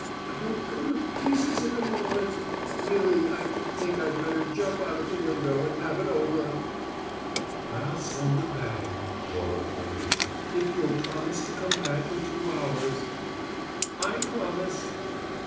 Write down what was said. "I'll go to pieces in a moment. Really, I do think I'd better jump out of the window and have it over." "I'll send the bag," Laura quavered, "if you'll promise to come back in two hours." "I promise!"